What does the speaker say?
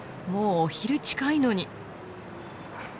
もうお昼近いのに。